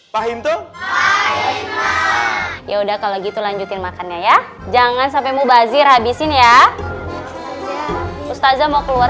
pahim tuh ya udah kalau gitu lanjutin makannya ya jangan sampai mubazir habisin ya ustadz mau keluar